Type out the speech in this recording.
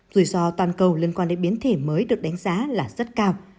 rủi ro toàn cầu liên quan đến biến thể mới được đánh giá là rất cao